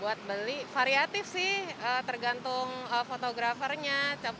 buat beli variatif sih tergantung fotografernya